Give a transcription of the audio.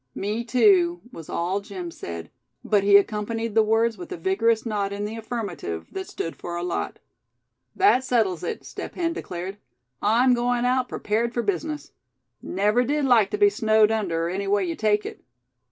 "Me tew," was all Jim said; but he accompanied the words with a vigorous nod in the affirmative, that stood for a lot. "That settles it," Step Hen declared. "I'm going out prepared for business. Never did like to be snowed under, any way you take it."